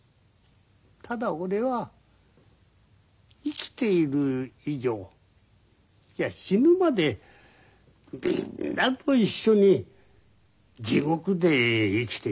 ただ俺は生きている以上いや死ぬまでみんなと一緒に地獄で生きていたい。